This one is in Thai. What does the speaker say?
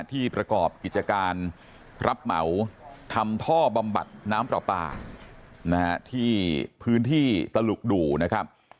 ที่ประกอบกิจการรับเหมาทำท่อบำบัดน้ำปลาปลาที่พื้นที่ตลุกดูนะครับ